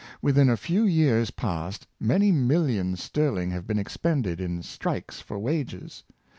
Within a few years past man\' millions sterhng have been expended in strikes for wages.